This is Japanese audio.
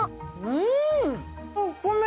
うん！